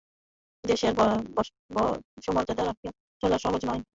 দেশে বংশমর্যাদা রাখিয়া চলা সহজ নয় বলিয়া ইনি পশ্চিমে গিয়া বাস করিতেছেন।